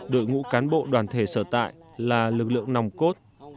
đội ngũ cán bộ đoàn thể sở tại là lực lượng nòng cốt